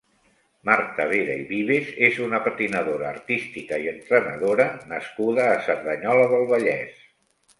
Marta Vera i Vives és una patinadora artística i entrenadora nascuda a Cerdanyola del Vallès.